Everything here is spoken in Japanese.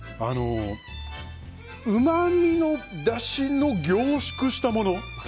うまみのだしの凝縮したもの。